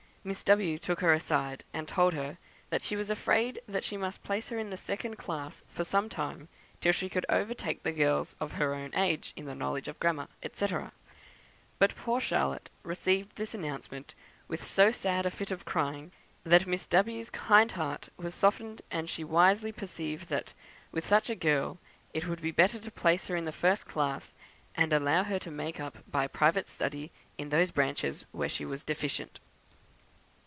Miss W took her aside and told her she was afraid that she must place her in the second class for some time till she could overtake the girls of her own age in the knowledge of grammar, &c. but poor Charlotte received this announcement with so sad a fit of crying, that Miss W 's kind heart was softened, and she wisely perceived that, with such a girl, it would be better to place her in the first class, and allow her to make up by private study in those branches where she was deficient.